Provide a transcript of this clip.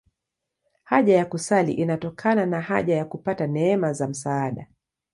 Haja ya kusali inatokana na haja ya kupata neema za msaada.